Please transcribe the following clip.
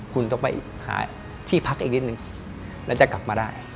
คุณต้องไปหาที่พักอีกนิดนึงแล้วจะกลับมาได้